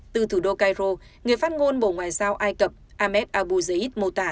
từ thủ đô cairo người phát ngôn bộ ngoại giao ai cập ahmed abu zaid mô tả